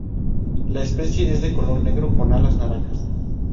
La especie es de color negro, con alas naranjas.